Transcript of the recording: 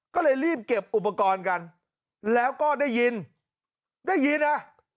ก็เลยรีบเก็บอุปกรณ์กันแล้วก็ได้ยินได้ยินนะ